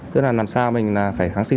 thứ hai là làm sao mình phải kháng sinh